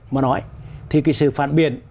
mà nói thì cái sự phản biệt